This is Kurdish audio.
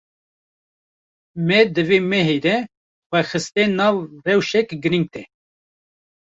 Me di vê mehê de xwe xiste nav rewşek girîng de.